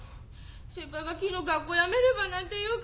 先輩が昨日学校やめればなんて言うから。